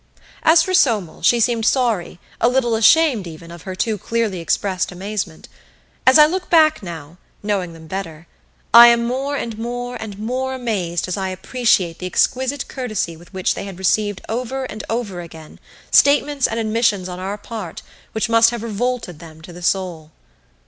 As for Somel, she seemed sorry, a little ashamed even, of her too clearly expressed amazement. As I look back now, knowing them better, I am more and more and more amazed as I appreciate the exquisite courtesy with which they had received over and over again statements and admissions on our part which must have revolted them to the soul.